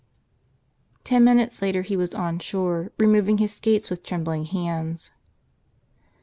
Ten minutes later he was on shore, removing his skates with trembling hands.